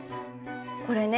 これね